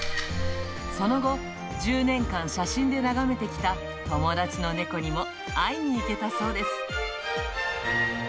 その後、１０年間写真で眺めてきた友達の猫にも会いに行けたそうです。